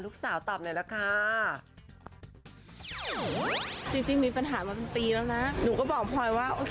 ลูกจะต้องน่ารักมากเพราะว่าแม่สวยมาก